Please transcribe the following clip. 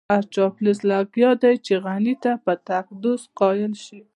هر چاپلوس لګيا دی چې غني ته په تقدس قايل شي.